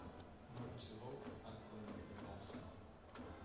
Non chegou a concretarse.